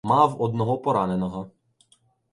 Мав одного пораненого.